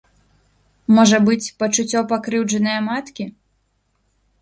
Можа быць, пачуццё пакрыўджанае маткі?